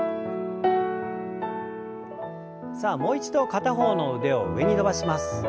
さあもう一度片方の腕を上に伸ばします。